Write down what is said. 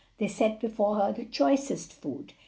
They set before her the choicest food.